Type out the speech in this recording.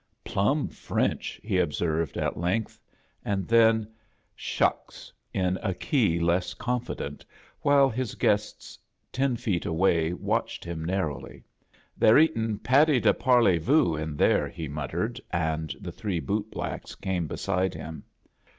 "Plomb French!" he observed, at length; and then, "Shucksf in a key less confi dent, while his guests ten feet away watch ed him narrowly. "They're eatia' patty de parlcy voo in there," he muttered, and the three bootblacks came beside him.